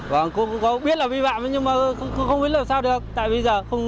cô cũng biết là vi phạm nhưng mà không biết là sao được